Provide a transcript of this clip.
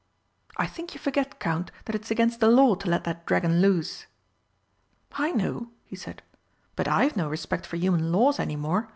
"I think you forget, Count, that it's against the law to let that dragon loose." "I know," he said; "but I've no respect for human laws any more.